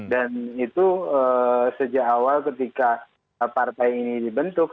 dan itu sejak awal ketika partai ini dibentuk